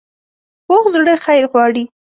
پوخ زړه خیر غواړي